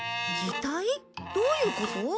どういうこと？